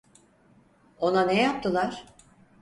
Ona ne yaptılar?